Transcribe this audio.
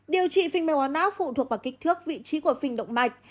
điều trị phình mạch máu não phụ thuộc vào kích thước vị trí của phình động mạch